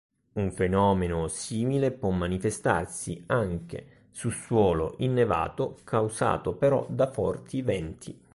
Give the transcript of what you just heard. Un fenomeno simile può manifestarsi anche su suolo innevato, causato però da forti venti.